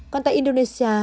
còn tại indonesia